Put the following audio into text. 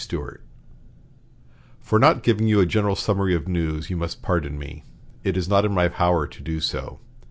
Stuart: "For not giving you a general summary of news you must pardon me; it is not in my power to do so.